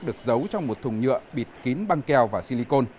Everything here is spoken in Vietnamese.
được giấu trong một thùng nhựa bịt kín băng keo và silicon